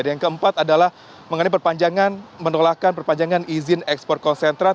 yang keempat adalah mengenai perpanjangan menolakan perpanjangan izin ekspor konsentrat